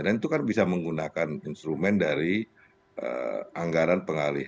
dan itu kan bisa menggunakan instrumen dari anggaran pengaruh